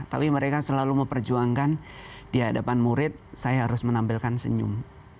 tapi mereka selalu memperjuangkan di hadapan murid saya harus menampilkan senyum